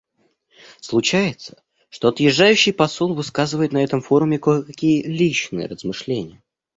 Случается, что отъезжающий посол высказывает на этом форуме кое-какие личные размышления.